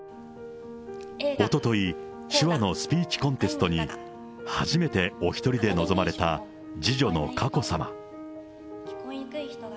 おととい、手話のスピーチコンテストに初めてお一人で臨まれた次女の佳子さま。